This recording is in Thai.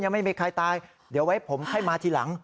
ไม่มีใครตายเดี๋ยวไว้ผมให้มาทีหลัง